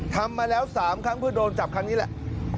ทำมาแล้ว๓ครั้งเพื่อโดนจับครั้งนี้แหละ